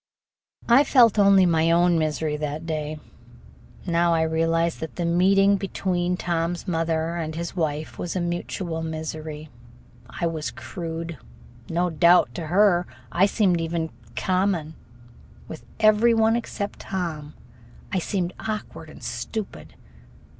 I felt only my own misery that day. Now I realize that the meeting between Tom's mother and his wife was a mutual misery. I was crude. No doubt, to her, I seemed even common. With every one except Tom I seemed awkward and stupid.